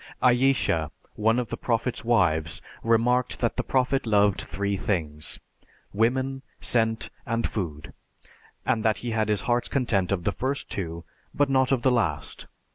Ayesha, one of the Prophet's wives, remarked that the Prophet loved three things: women, scent and food, and that he had his heart's content of the first two, but not of the last.